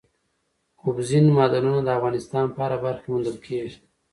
اوبزین معدنونه د افغانستان په هره برخه کې موندل کېږي.